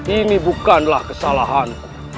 ini bukanlah kesalahan